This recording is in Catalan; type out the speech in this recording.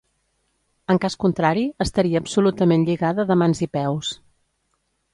En cas contrari, estaria absolutament lligada de mans i peus.